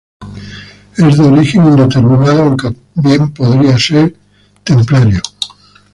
Es de origen indeterminado aunque bien podría ser templario.